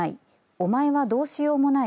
お前はどうしようもない。